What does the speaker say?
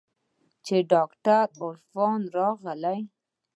چې ډاکتر عرفان راغى.